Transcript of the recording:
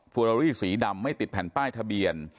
อรารี่สีดำไม่ติดแผ่นป้ายทะเบียน